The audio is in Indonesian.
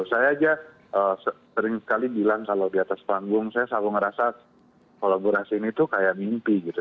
saya aja sering sekali bilang kalau di atas panggung saya selalu ngerasa kolaborasi ini tuh kayak mimpi gitu